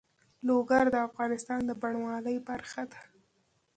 لوگر د افغانستان د بڼوالۍ برخه ده.